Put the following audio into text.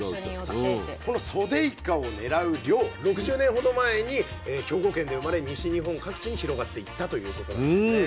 さあこのソデイカを狙う漁６０年ほど前に兵庫県で生まれ西日本各地に広がっていったということなんですね。